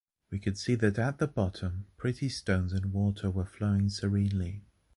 We could see that at the bottom, pretty stones and water were flowing serenely.